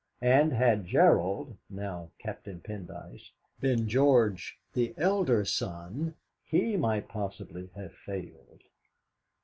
And had Gerald (now Captain Pendyce) been George the elder son, he might possibly have failed.